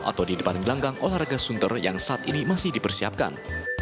atau di depan gelanggang olahraga sunter yang saat ini masih dipersiapkan